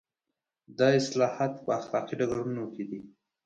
دا اصلاحات په اخلاقي ډګرونو کې دي.